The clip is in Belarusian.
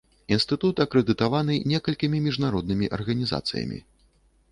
Інстытут акрэдытаваны некалькімі міжнароднымі арганізацыямі.